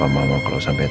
mama sudah senang